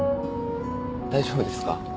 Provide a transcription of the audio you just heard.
大丈夫ですか？